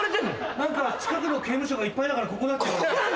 何か近くの刑務所がいっぱいだからここだって。